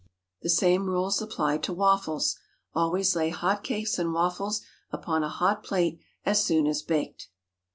The same rules apply to waffles. Always lay hot cakes and waffles upon a hot plate as soon as baked.